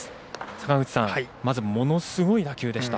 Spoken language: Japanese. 坂口さん、まずものすごい打球でした。